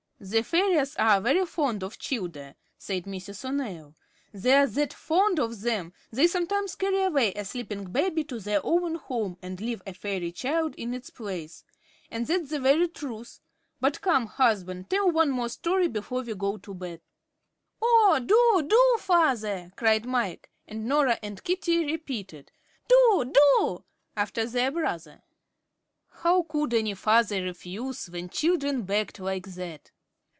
"The fairies are very fond of childer," said Mrs. O'Neil. "They are that fond of them, they sometimes carry away a sleeping baby to their own home and leave a fairy child in its place. And that's the very truth. But come, husband, tell one more story before we go to bed." "Oh, do, do, father!" cried Mike, and Norah and Katie repeated, "Do, do," after their brother. How could any father refuse when children begged like that?